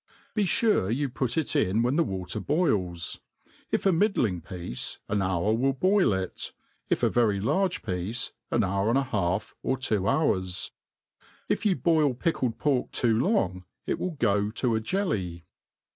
m V •• v. ' BE furc you pvt it in when the, water boils. If aHn^^,d^g piece, an hour will boil it} if a very I^rge piece^ ^n nour .sind a half, or two hours. If you boil .picUec) pork too long, i^ will go to a jelly.